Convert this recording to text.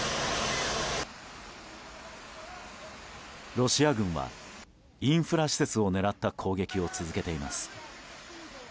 ロシア軍は、インフラ施設を狙った攻撃を続けています。